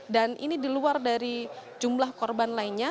dan ini di luar dari jumlah korban lainnya